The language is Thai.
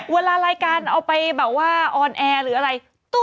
เวลารายการเอาไปแบบว่าออนแอร์หรืออะไร